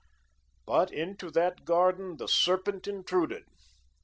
But into that garden the serpent intruded.